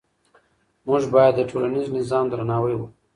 موږ باید د ټولنیز نظام درناوی وکړو.